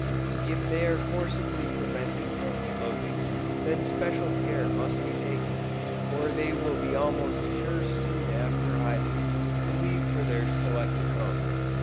If they are forcibly prevented from eloping, then special care must be taken or they will be almost sure soon after hiving, to leave for their selected home.